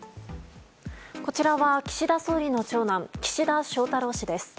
こちらは岸田総理の長男・岸田翔太郎氏です。